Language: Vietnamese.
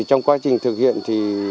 trong quá trình thực hiện thì